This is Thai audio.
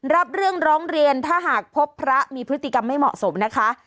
รับเรื่องร้องเรียนถ้าหากพบพระมีพฤติกรรมไม่เหมาะสมนะคะ